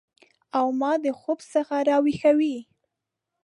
او ما د خوب څخه راویښوي